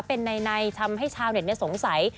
เป็นนัยทำให้ชาวเน็ตเนี่ยสงสัย